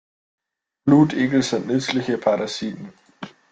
Blutegel sind nützliche Parasiten.